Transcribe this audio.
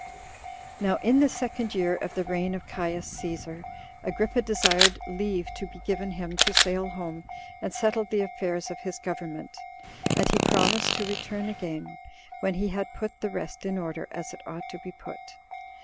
11. Now, in the second year of the reign of Caius Cæsar, Agrippa desired leave to be given him to sail home, and settle the affairs of his government; and he promised to return again, when he had put the rest in order, as it ought to be put.